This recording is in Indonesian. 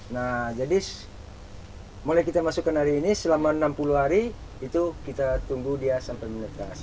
nah jadi mulai kita masukkan hari ini selama enam puluh hari itu kita tunggu dia sampai menekas